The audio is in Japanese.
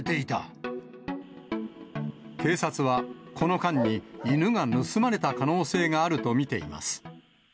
警察は、この間に犬が盗まれた可能性があると見ています。